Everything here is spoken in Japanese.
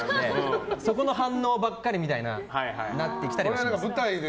そこの反応ばっかり見たいになってきたりはします。